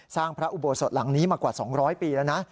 พระอุโบสถหลังนี้มากว่า๒๐๐ปีแล้วนะ